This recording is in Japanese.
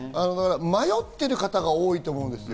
迷ってる方が多いと思うんです。